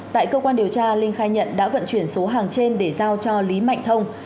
tại cơ quan điều tra linh khai nhận đã vận chuyển số hàng trên để giao cho lý mạnh thông